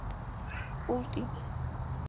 პულტი